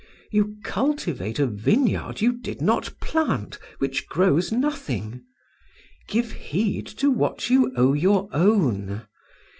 You cultivate a vineyard you did not plant, which grows nothing. Give heed to what you owe your own.